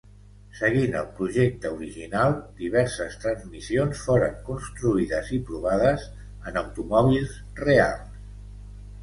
Seguint el projecte original, diverses transmissions foren construïdes i provades en automòbils reals.